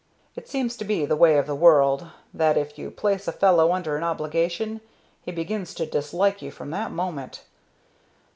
It seems to be the way of the world, that if you place a fellow under an obligation he begins to dislike you from that moment.